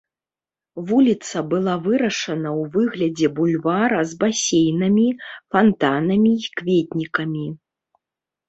Вуліца была вырашана ў выглядзе бульвара з басейнамі, фантанамі і кветнікамі.